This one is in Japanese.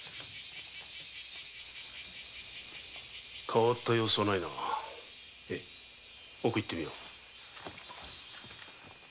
変わった様子はないな奥へ行ってみよう。